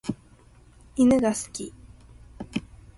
犬が好き。